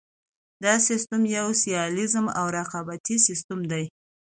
دا سیستم یو سیالیز او رقابتي سیستم دی.